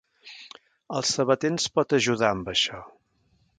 El sabater ens pot ajudar amb això.